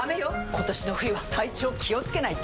今年の冬は体調気をつけないと！